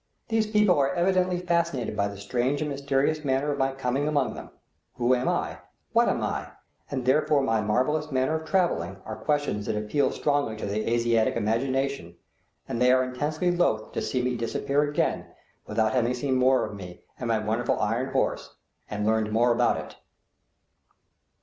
These people are evidently fascinated by the strange and mysterious manner of my coming among them; who am I, what am I, and wherefore my marvellous manner of travelling, are questions that appeal strongly to their Asiatic imagination, and they are intensely loath to see me disappear again without having seen more of me and my wonderful iron horse, and learned more about it.